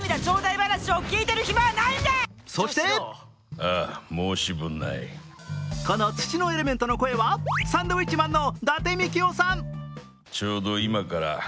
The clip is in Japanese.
そしてこの土のエレメントの声はサンドウィッチマンの伊達みきおさん。